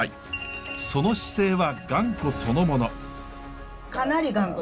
その姿勢は頑固そのもの。